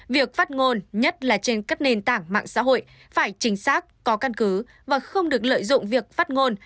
việc phát ngôn nhất là trên các nền tảng mạng xã hội phải chính xác có căn cứ và không được lợi dụng việc phát ngôn